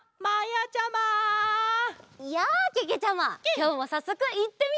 きょうもさっそくいってみよう！